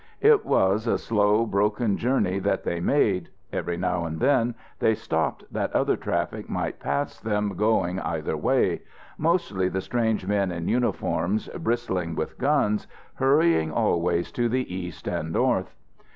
It was a slow, broken journey that they made. Every now and then they stopped that other traffic might pass them, going either way; mostly the strange men in uniforms, bristling with guns, hurrying always to the east and north.